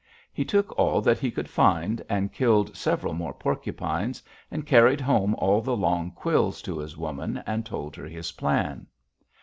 He took all that he could find, and killed several more porcupines, and carried home all the long quills to his woman and told her his plan.